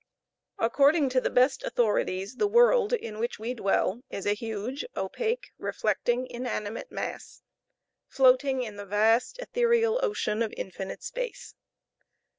According to the best authorities, the world in which we dwell is a huge, opaque, reflecting, inanimate mass, floating in the vast ethereal ocean of infinite space.